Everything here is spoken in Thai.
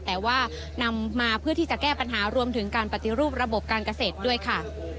แต่ว่านำมาเพื่อที่จะแก้ปัญหารวมถึงการปฏิรูประบบการเกษตรด้วยค่ะ